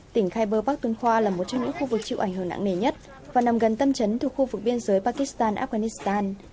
tỉnh khyber pak tun khoa là một trong những khu vực chịu ảnh hưởng nặng nề nhất và nằm gần tâm trấn thuộc khu vực biên giới pakistan afghanistan